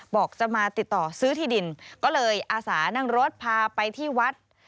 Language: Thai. บอกจะมาติดต่อซื้อที่ดินก็เลยอาสานั่งรถพาไปที่วัด